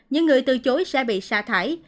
những người từ chối sẽ bị sa thải